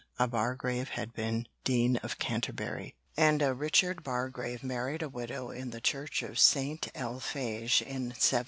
a Bargrave had been Dean of Canterbury, and a Richard Bargrave married a widow in the church of St. Alphege in 1700.